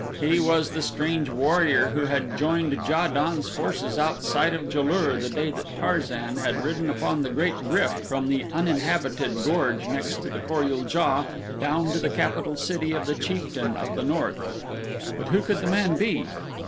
He was the strange warrior who had joined Ja don's forces outside of Ja lur the day that Tarzan had ridden upon the great GRYF from the uninhabited gorge next to the Kor ul JA down to the capital city of the chieftain of the north. But who could the man be?